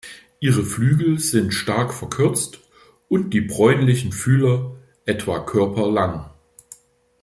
Ihre Flügel sind stark verkürzt und die bräunlichen Fühler etwa körperlang.